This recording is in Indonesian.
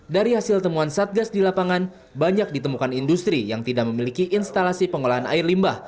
dari hasil temuan satgas di lapangan banyak ditemukan industri yang tidak memiliki instalasi pengolahan air limbah